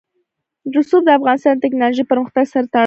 رسوب د افغانستان د تکنالوژۍ پرمختګ سره تړاو لري.